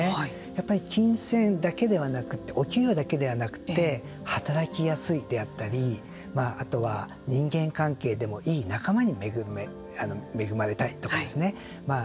やっぱり金銭だけではなくてお給料だけではなくて働きやすいであったりあとは人間関係でもいい仲間に恵まれたいとかですね。